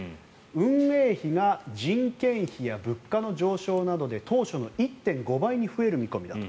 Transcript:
運営費が人件費や物価の上昇などで当初の１．５倍に増える見込みだと。